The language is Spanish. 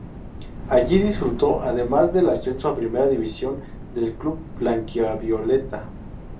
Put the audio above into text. Allí disfrutó, además, del ascenso a Primera División del club blanquivioleta.